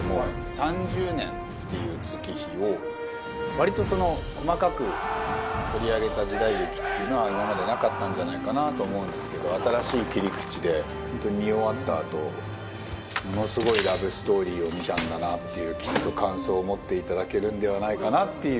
３０年っていう月日を割と細かく取り上げた時代劇っていうのは今までなかったんじゃないかなと思うんですけど新しい切り口で本当に見終わったあとものすごいラブストーリーを見たんだなっていうきっと感想を持っていただけるのではないかなっていう。